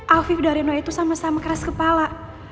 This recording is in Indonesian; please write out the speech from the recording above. afif dan reno itu sama sama keras kepala